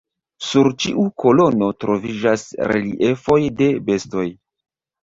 Sur ĉiu kolono troviĝas reliefoj de bestoj.